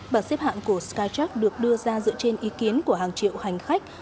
bản xếp hạng của skytrak được đưa ra dựa trên ý kiến của hàng triệu hành khách